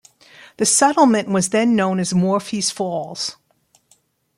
The settlement was then known as Morphy's Falls.